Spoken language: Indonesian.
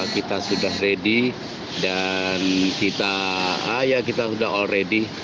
kita sudah ready dan kita ah ya kita sudah all ready